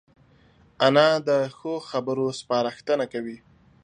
انا د ښو خبرو سپارښتنه کوي